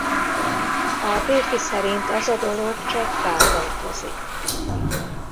A férfi szerint az a dolog csak rá tartozik.